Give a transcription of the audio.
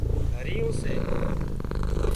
دريون سي